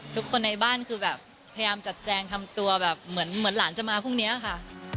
ทุกคนในบ้านคือแบบพยายามจัดแจงทำตัวแบบเหมือนหลานจะมาพรุ่งนี้ค่ะ